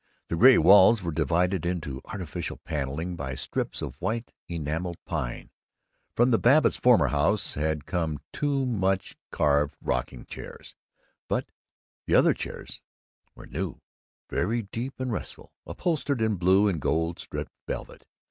The gray walls were divided into artificial paneling by strips of white enameled pine. From the Babbitts' former house had come two much carved rocking chairs, but the other chairs were new, very deep and restful, upholstered in blue and gold striped velvet.